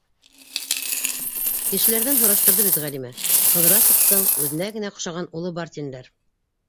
Кешеләрҙән һораштырҙы бит Ғәлимә: Ҡыҙрасовтың үҙенә генә оҡшаған улы бар тинеләр.